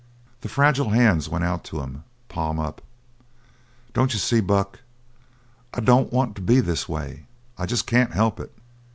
The fragile hands went out to him, palm up. "Don't you see, Buck? I don't want to be this way. I jest can't help it!"